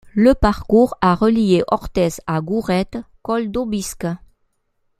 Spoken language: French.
Le parcours de a relié Orthez à Gourette - col d'Aubisque.